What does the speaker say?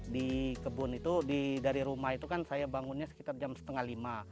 di kebun itu dari rumah itu kan saya bangunnya sekitar jam setengah lima